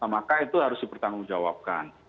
maka itu harus dipertanggungjawabkan